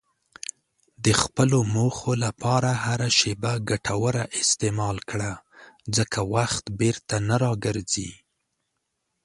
د خپلو موخو لپاره هره شېبه ګټوره استعمال کړه، ځکه وخت بیرته نه راګرځي.